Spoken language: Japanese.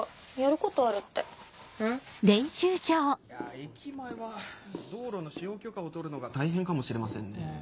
駅前は道路の使用許可を取るのが大変かもしれませんね。